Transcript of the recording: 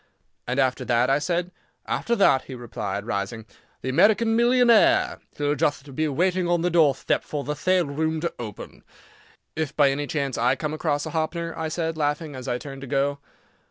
"And after that?" I said. "After that," he replied, rising, "the American millionaire! He'll jutht be waiting on the door thtep for the thale room to open." "If by any chance I come across a Hoppner?" I said, laughing, as I turned to go.